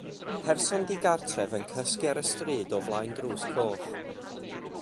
Person digartref yn cysgu ar y stryd o flaen drws coch.